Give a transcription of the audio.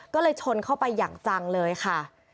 ก็เลยชนเข้าไปอย่างจังเลยค่ะ